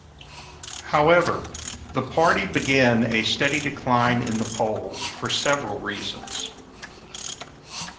However, the party began a steady decline in the polls for several reasons.